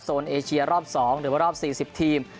เอเชียรอบ๒หรือว่ารอบ๔๐ทีม